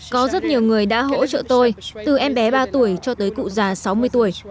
có rất nhiều người đã hỗ trợ tôi từ em bé ba tuổi cho tới cụ già sáu mươi tuổi